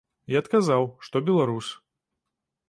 І адказаў, што беларус.